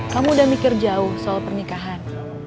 kamu udah mikir jauh soal pernikahan